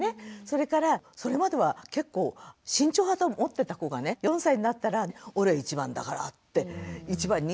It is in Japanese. それからそれまでは結構慎重派だと思ってた子がね４歳になったら「俺１番だから」って１番に命かけたりね。